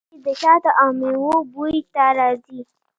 غوماشې د شاتو او میوو بوی ته راځي.